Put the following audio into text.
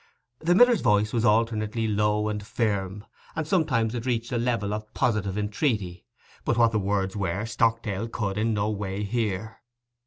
The miller's voice was alternately low and firm, and sometimes it reached the level of positive entreaty; but what the words were Stockdale could in no way hear.